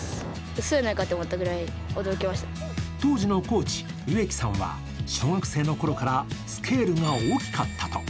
当時のコーチ、植木さんは小学生のころからスケールが大きかったと。